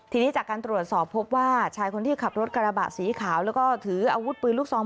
ทีนี้จากการตรวจสอบพบว่าชายคนที่ขับรถกระบะสีขาวแล้วก็ถืออาวุธปืนลูกซอง